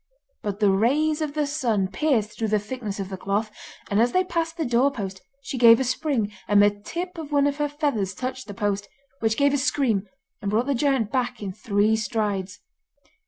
But the rays of the sun pierced through the thickness of the cloth, and as they passed the doorpost she gave a spring, and the tip of one of her feathers touched the post, which gave a scream, and brought the giant back in three strides.